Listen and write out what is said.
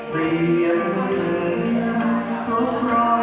เปลี่ยนเหมือนลูกพ่อหัวใจ